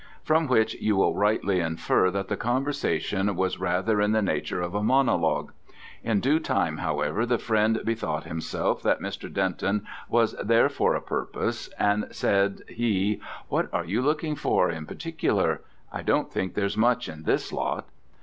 From which you will rightly infer that the conversation was rather in the nature of a monologue. In due time, however, the friend bethought himself that Mr. Denton was there for a purpose, and said he, "What are you looking out for in particular? I don't think there's much in this lot."